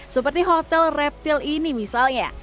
seperti hotel reptil ini misalnya